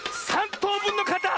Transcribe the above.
とうぶんのかたっ！